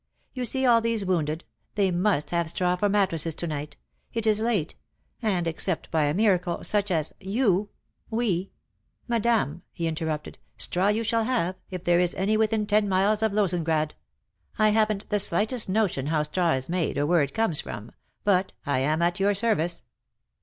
You see all these wounded, they mnst have straw for mattresses to night — it is late — and, except by a miracle, such as you — we "Madam," he interrupted, straw you shall have, if there is any within ten miles of Lozengrad ! I haven't the slightest notion how straw is made or where it comes from, but — I am at your service."